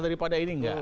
daripada ini tidak